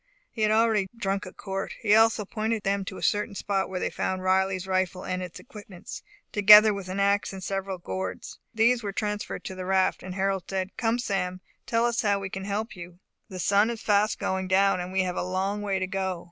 He had already drunk a quart. He also pointed them to a certain spot, where they found Riley's rifle and its equipments, together with an ax and several gourds. These were transferred to the raft; and Harold said, "Come, Sam, tell us how we can help you. The sun is fast going down, and we have a long way to go.